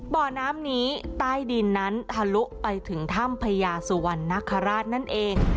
บ่อน้ำนี้ใต้ดินนั้นทะลุไปถึงถ้ำพญาสุวรรณนคราชนั่นเอง